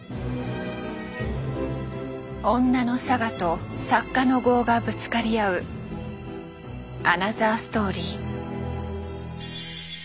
女の性と作家の業がぶつかり合うアナザーストーリー。